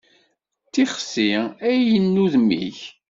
D tixsi ay n udem-ik.